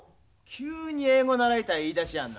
急に英語習いたい言いだしやんな。